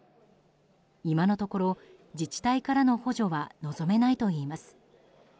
今のところ、自治体からの補助は望めないといいます。